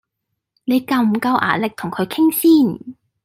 你夠唔夠牙力同佢傾先？